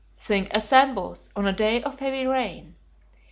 Thing assembles, on a day of heavy rain.